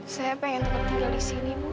saya pengen tinggal di sini ibu